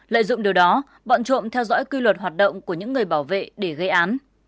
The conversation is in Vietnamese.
lợi dụng điều đó bọn trộm theo dõi quy luật hoạt động của những người bảo vệ để gây án